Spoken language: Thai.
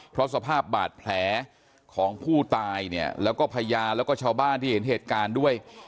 เพราะสภาพบาดแผลของผู้ตายเนี่ยแล้วก็พยานแล้วก็ชาวบ้านที่เห็นเหตุการณ์ด้วย